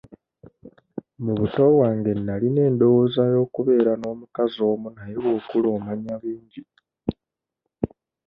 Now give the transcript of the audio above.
Mu buto bwange nalina endowooza y'okubeera n'omukazi omu naye bw'okula omanya bingi.